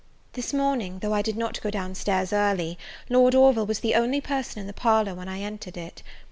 This morning, though I did not go down stairs early, Lord Orville was the only person in the parlour when I entered it.